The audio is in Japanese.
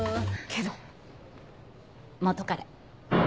けど？元カレ。